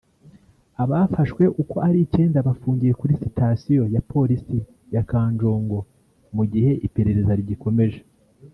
Abafashwe uko ari icyenda bafungiye kuri sitasiyo ya Polisi ya Kanjongo mu gihe iperereza rigikomeje